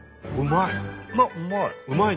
うまい！